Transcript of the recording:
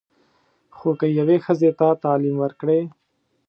خو که یوې ښځې ته تعلیم ورکړې.